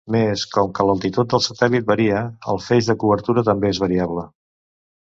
Més, com que l'altitud del satèl·lit varia, el feix de cobertura també és variable.